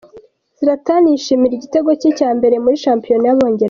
Zlatan yishimira igitego cye cya mbere muri shampiyona y'Abongereza.